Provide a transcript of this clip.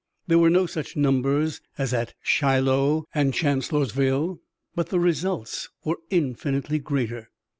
There were no such numbers as at Shiloh and Chancellorsville, but the results were infinitely greater.